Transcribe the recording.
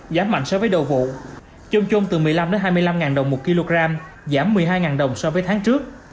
giảm mạnh so với đầu vụ chôm chôm từ một mươi năm hai mươi năm đồng một kg giảm một mươi hai đồng so với tháng trước